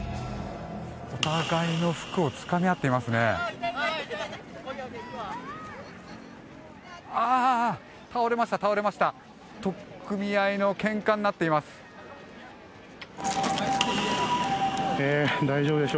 お互いの服をつかみ合っていますね。